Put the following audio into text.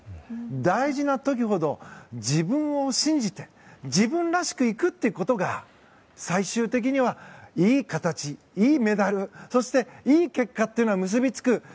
大事な時ほど自分を信じて自分らしくいくということが最終的にはいい形、いいメダルそしていい結果というのに結びつく。